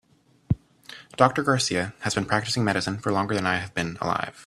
Doctor Garcia has been practicing medicine for longer than I have been alive.